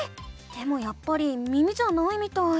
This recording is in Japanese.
でもやっぱり耳じゃないみたい。